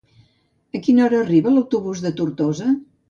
A quina hora arriba l'autobús de Tortosa?